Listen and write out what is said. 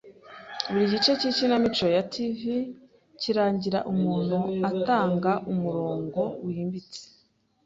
Buri gice cyikinamico ya TV kirangira umuntu atanga umurongo wimbitse.